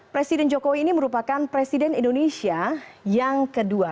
presiden jokowi ini merupakan presiden indonesia yang kedua